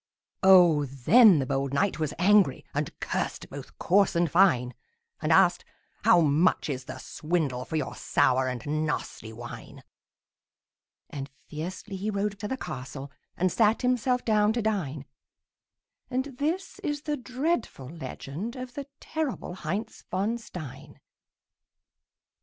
Oh, then the bold knight was angry, And cursed both coarse and fine; And asked, "How much is the swindle For your sour and nasty wine?" And fiercely he rode to the castle And sat himself down to dine; And this is the dreadful legend Of the terrible Heinz von Stein.